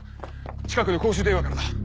近くの公衆電話からだ。